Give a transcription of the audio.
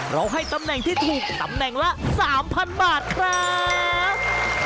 ให้ตำแหน่งที่ถูกตำแหน่งละ๓๐๐บาทครับ